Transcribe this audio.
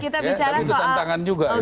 tapi itu tantangan juga